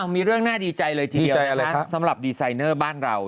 มีเรื่องน่าดีใจเลยทีเดียวสำหรับดีไซเนอร์บ้านเรา